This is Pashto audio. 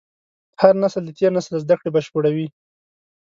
هر نسل د تېر نسل زدهکړې بشپړوي.